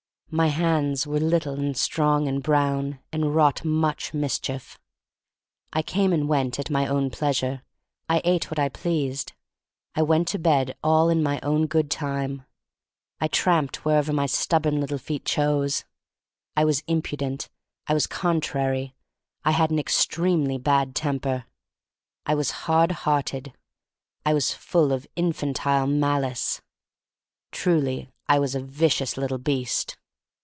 My hands were little and strong and brown, and wrought much mis chief. I came and went at my own pleasure. I ate what I pleased; I went to bed all in my own good time; I tramped wherever my stubborn little feet chose. I was impudent; I was con trary; I had an extremely bad temper; I was hard hearted; I was full of in fantile malice. Truly I was a vicious little beast.